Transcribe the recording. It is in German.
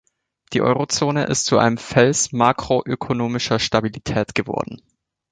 Die Eurozone ist zu einem Fels makroökonomischer Stabilität geworden.